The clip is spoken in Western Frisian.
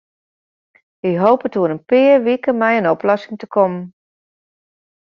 Hy hopet oer in pear wiken mei in oplossing te kommen.